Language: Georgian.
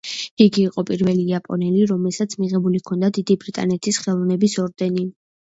იგი იყო პირველი იაპონელი, რომელსაც მიღებული ჰქონდა დიდი ბრიტანეთის ხელოვნების ორდენი.